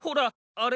あれ？